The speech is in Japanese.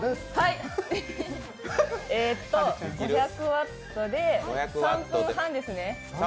５００ワットで３分半ですね。